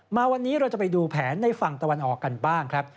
มาวันนี้เราจะไปดูแผนในฝั่งตะวันออกกันบ้างครับ